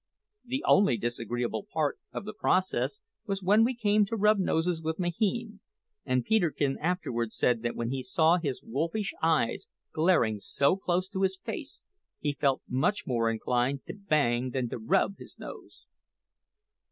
The only disagreeable part of the process was when we came to rub noses with Mahine; and Peterkin afterwards said that when he saw his wolfish eyes glaring so close to his face, he felt much more inclined to bang than to rub his nose.